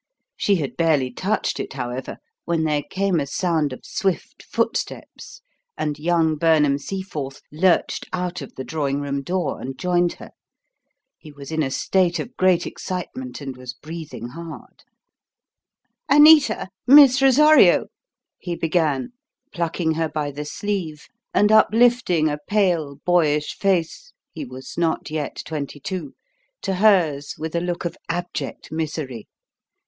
She had barely touched it, however, when there came a sound of swift footsteps and young Burnham Seaforth lurched out of the drawing room door and joined her. He was in a state of great excitement and was breathing hard. "Anita Miss Rosario!" he began, plucking her by the sleeve and uplifting a pale, boyish face he was not yet twenty two to hers with a look of abject misery.